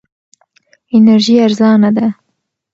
انرژي ارزانه ده.